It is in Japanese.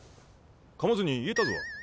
かまずに言えたぞ。